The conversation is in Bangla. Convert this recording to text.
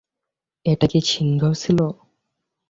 এটা কি সিংহ ছিল?